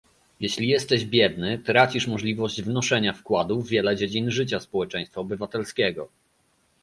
Jeżeli jesteś biedny, tracisz możliwość wnoszenia wkładu w wiele dziedzin życia społeczeństwa obywatelskiego